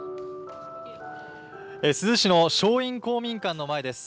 珠洲市の正院公民館の前です。